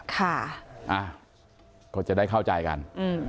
เขาจะได้เข้าใจกัน